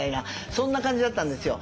そんな感じだったんですよ。